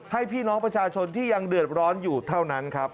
พี่น้องประชาชนที่ยังเดือดร้อนอยู่เท่านั้นครับ